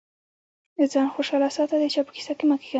ځان خوشاله ساته د چا په کيسه کي مه کېږه.